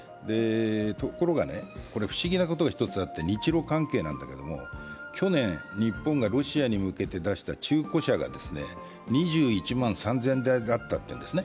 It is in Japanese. ところが不思議なことが一つあって日ロ関係なんだけれども、去年、日本がロシアに向けて出した中古車が２１万３０００台だったというんですね。